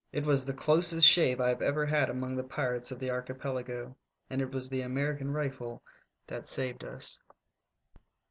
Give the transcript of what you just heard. It was the closest shave I ever had among the pirates of the archipelago, and it was the American rifle that saved us."